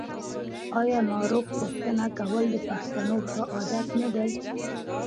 آیا ناروغ پوښتنه کول د پښتنو ښه عادت نه دی؟